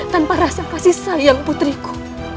tanpa rasa kasih sayang putriku